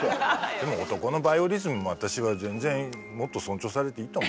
でも男のバイオリズムも私は全然もっと尊重されていいと思うわよ。